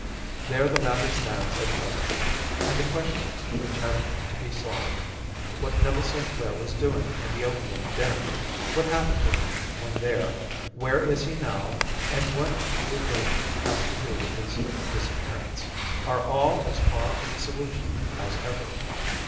There the matter stands at present, and the questions which have to be solved—what Neville St. Clair was doing in the opium den, what happened to him when there, where is he now, and what Hugh Boone had to do with his disappearance—are all as far from a solution as ever.